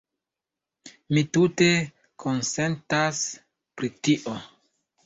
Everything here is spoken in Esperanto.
Mi tute konsentas pri tio.